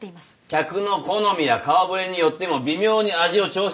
客の好みや顔ぶれによっても微妙に味を調節し。